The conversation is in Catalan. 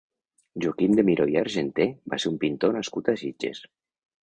Joaquim de Miró i Argenter va ser un pintor nascut a Sitges.